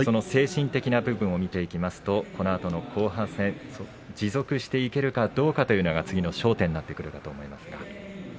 精神的な部分を見ていきますとこのあとの後半戦持続していけるかどうかというのが次の焦点になってくるかと思いますが。